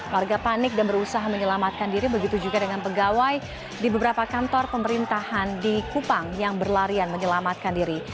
warga panik dan berusaha menyelamatkan diri begitu juga dengan pegawai di beberapa kantor pemerintahan di kupang yang berlarian menyelamatkan diri